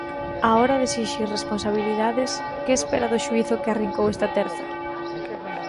Á hora de exixir responsabilidades, que espera do xuízo que arrincou esta terza?